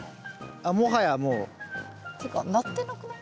あっもはやもう。っていうかなってなくない？